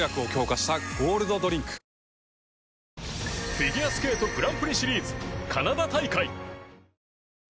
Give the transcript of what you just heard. フィギュアスケートグランプリシリーズカナダ大会。